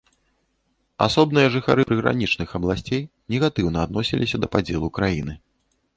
Асобныя жыхары прыгранічных абласцей негатыўна адносіліся да падзелу краіны.